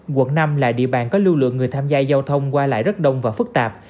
quận năm là địa bàn có lưu lượng người tham gia giao thông qua lại rất đông và phức tạp